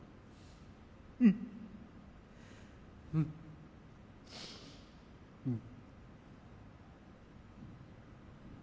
うんうんうん